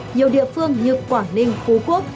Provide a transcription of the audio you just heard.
nhiều địa phương như quảng ninh phú quốc